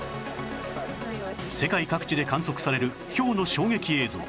世界各地で観測されるひょうの衝撃映像